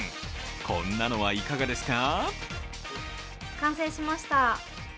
こんなのはいかがですか？